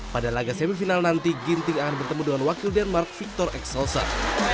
pada laga semifinal nanti ginting akan bertemu dengan wakil denmark victor exelsen